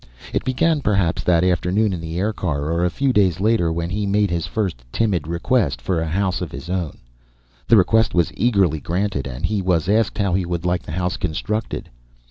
It began, perhaps, that afternoon in the aircar; or a few days later when he made his first timid request for a house of his own. The request was eagerly granted, and he was asked how he would like the house constructed.